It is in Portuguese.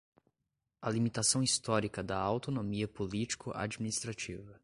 a limitação histórica da autonomia político-administrativa